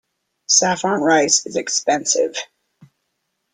Saffron rice is expensive.